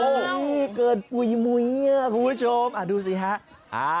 โอ้โหเกิดปุ๋ยมุ้ยคุณผู้ชมดูสิฮะ